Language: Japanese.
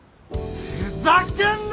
ふざけんな！